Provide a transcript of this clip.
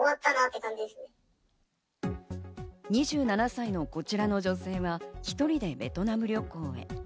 ２７歳のこちらの女性は１人でベトナム旅行へ。